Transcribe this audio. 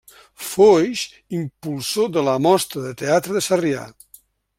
Foix, impulsor de la Mostra de Teatre de Sarrià.